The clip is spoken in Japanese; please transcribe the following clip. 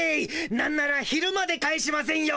なんなら昼まで帰しませんよ。